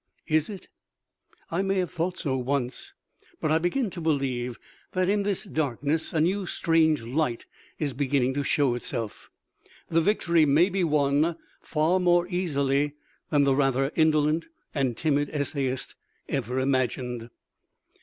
Is it? I may have thought so once, but I begin to believe that in this darkness a new strange light is beginning to show itself. The victory may be won far more easily than the rather indolent and timid Essayist ever imagined.